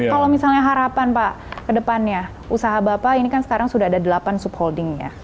kalau misalnya harapan pak ke depannya usaha bapak ini kan sekarang sudah ada delapan subholding ya